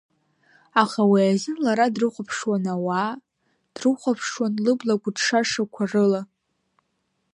Аха уи азын лара дрыхәаԥшуан ауаа, дрыхәаԥшуан лыбла гәыҭшашақәа рыла.